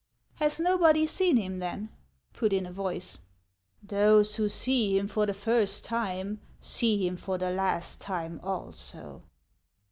" Has nobody seen him, then ?" put in a voice. " Those who see him for the first time, see him for the last time also."